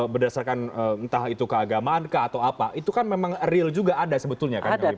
berdasarkan entah itu keagamaan kah atau apa itu kan memang real juga ada sebetulnya kan